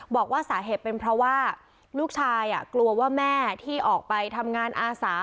บอกว่าสาเหตุเป็นเพราะว่าลูกชายกลัวว่าแม่ที่ออกไปทำงานอาสา